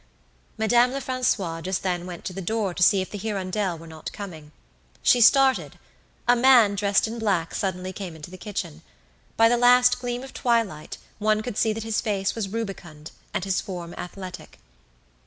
Madame Lefrancois just then went to the door to see if the "Hirondelle" were not coming. She started. A man dressed in black suddenly came into the kitchen. By the last gleam of the twilight one could see that his face was rubicund and his form athletic.